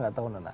gak tahu nana